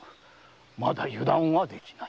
まだ油断はできない。